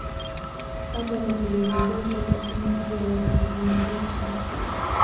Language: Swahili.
Hata kwa kulibebesha jukumu kubwa la kujiimarisha